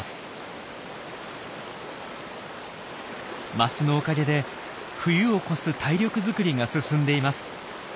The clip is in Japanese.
マスのおかげで冬を越す体力づくりが進んでいます。